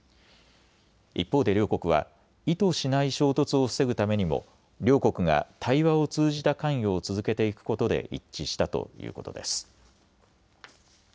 一方で両国は意図しない衝突を防ぐためにも両国が対話を通じた関与を続けていくことで一致したということです。